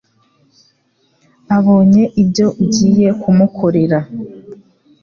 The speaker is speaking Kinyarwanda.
abonye ibyo ugiye kumukorera.